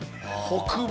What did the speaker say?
北米。